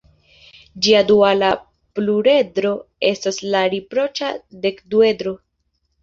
Ĝia duala pluredro estas la riproĉa dekduedro.